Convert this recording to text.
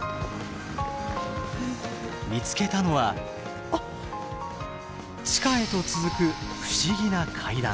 見つけたのは地下へと続く不思議な階段。